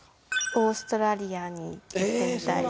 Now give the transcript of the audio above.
オーストラリアに行ってみたいです。